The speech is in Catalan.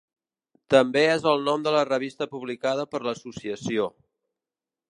També és el nom de la revista publicada per l'associació.